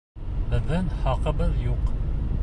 Беҙҙең хаҡыбыҙ юҡ!